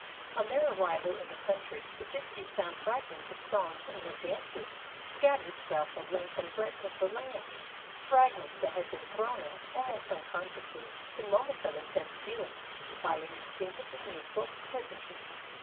On their arrival in the country the gypsies found frag ments of songs and of dances scattered throughout the length and breadth of the land, fragments that had been thrown out almost unconsciously in moments of intense feeling by an instinctively musical peasantry.